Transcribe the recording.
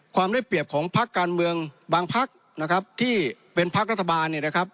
ความได้เปรียบของภักดิ์การเมืองบางภักดิ์นะครับที่เป็นภักดิ์รัฐบาลเนี่ยนะครับ